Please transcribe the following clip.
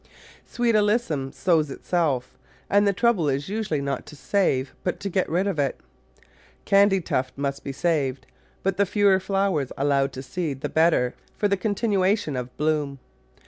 Sweet Alyssum sows itself, and the trouble is usually not to save but to get rid of it. Candytuft may be saved, but the fewer flowers allowed to seed the better for the continuation of bloom.